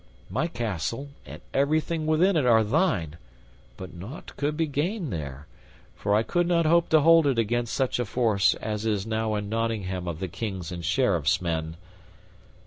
My castle and everything within it are thine, but nought could be gained there, for I could not hope to hold it against such a force as is now in Nottingham of the King's and the Sheriffs men."